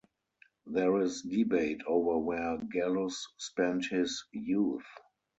There is debate over where Gallus spent his youth.